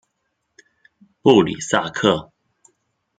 布里萨克。